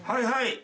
はい。